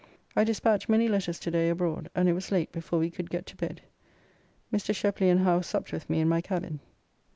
I despatch many letters to day abroad and it was late before we could get to bed. Mr. Sheply and Howe supped with me in my cabin.